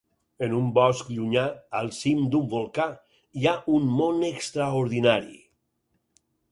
En un bosc llunyà, al cim d'un volcà, hi ha un món extraordinari.